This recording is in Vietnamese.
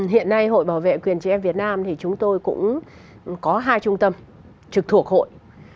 hiện nay hội bảo vệ quyền trẻ em việt nam thì chúng tôi cũng có hai trung tâm trực thuộc hội